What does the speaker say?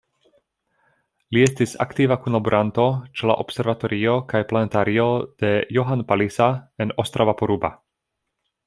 Li estis aktiva kunlaboranto ĉe la Observatorio kaj planetario de Johann Palisa en Ostrava-Poruba.